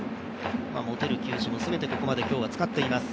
持てる球種も全てここまで今日は使っています。